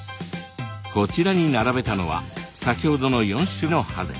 こちらに並べたのは先ほどの４種のハゼ。